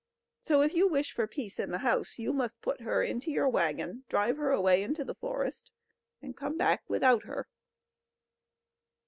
So if you wish for peace in the house, you must put her into your waggon, drive her away into the forest, and come back without her."